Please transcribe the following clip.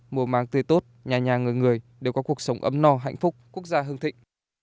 mùa màng tươi tốt nhà nhà người người đều có cuộc sống ấm no hạnh phúc quốc gia hương thịnh